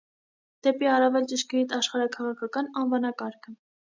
Դեպի առավել ճշգրիտ աշխարհաքաղաքական անվանակարգը։